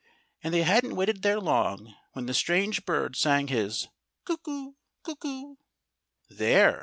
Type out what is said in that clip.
And they hadn't waited there long when the strange bird sang his "Cuckoo! cuckoo!" "There!"